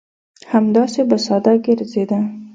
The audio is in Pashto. همداسې به ساده ګرځېده.